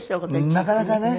なかなかね。